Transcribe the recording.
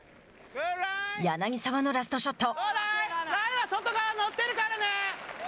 柳澤のラストショット。